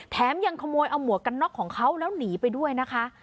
ยังขโมยเอาหมวกกันน็อกของเขาแล้วหนีไปด้วยนะคะ